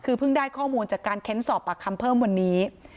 คือเพิ่งได้ข้อมูลจากการเค้นสอบปากคำเพิ่มวันนี้